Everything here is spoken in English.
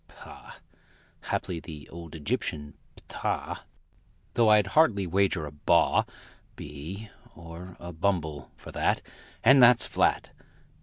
Pah! (Haply the old Egyptian ptah Though I'd hardly wager a baw Bee or a bumble, for that And that's flat!)....